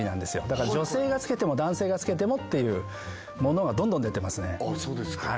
だから女性が着けても男性が着けてもっていうものがどんどん出てますね